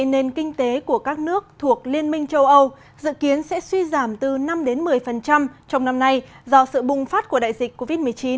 nền kinh tế của các nước thuộc liên minh châu âu dự kiến sẽ suy giảm từ năm một mươi trong năm nay do sự bùng phát của đại dịch covid một mươi chín